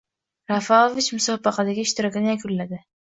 Rafalovich musobaqadagi ishtirokini yakunladi